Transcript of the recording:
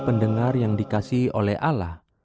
pendengar yang dikasih oleh ala